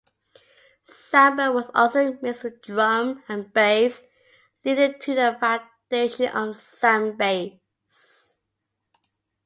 Samba was also mixed with drum and bass leading to the foundation of Sambass.